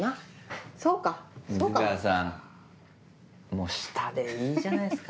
もうしたでいいじゃないですか。